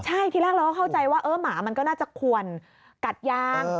ใช่ทีแรกเราก็เข้าใจว่าหมามันก็น่าจะควรกัดยาง